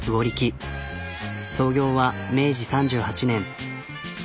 創業は明治３８年。